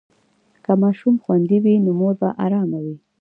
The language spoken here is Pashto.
که ماشوم خوندي وي، نو مور به ارامه وي.